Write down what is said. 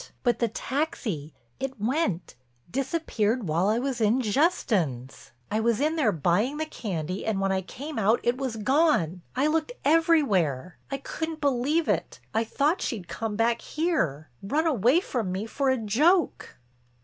But—the taxi—it went, disappeared while I was in Justin's. I was in there buying the candy and when I came out it was gone. I looked everywhere; I couldn't believe it; I thought she'd come back here—run away from me for a joke."